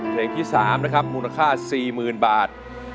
เพลงที่๓นะครับมูลค่า๔๐๐๐บาท